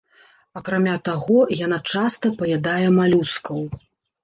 Акрамя таго, яна часта паядае малюскаў.